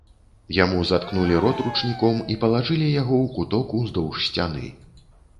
Яму заткнулі рот ручніком і палажылі яго ў куток ўздоўж сцяны.